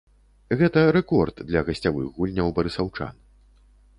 Гэта рэкорд для гасцявых гульняў барысаўчан.